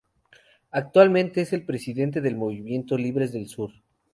Actualmente es el presidente del Movimiento Libres del Sur.